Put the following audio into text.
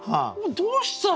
どうしたの！？